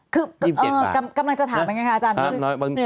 กำลังจะถามเป็นไงค่ะอาจารย์